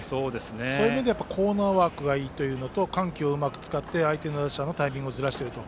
そういう意味でコーナーワークがいいというのと緩急をうまく使って相手打者のタイミングをずらしていると。